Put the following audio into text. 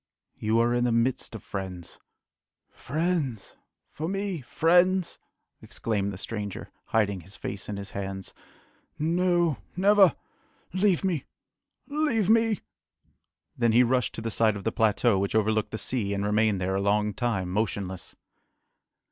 "You are in the midst of friends." "Friends! for me! friends!" exclaimed the stranger, hiding his face in his hands. "No never leave me! leave me!" Then he rushed to the side of the plateau which overlooked the sea, and remained there a long time motionless.